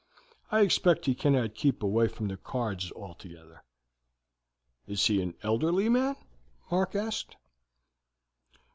I expect he cannot keep away from the cards altogether." "Is he an elderly man?" Mark asked.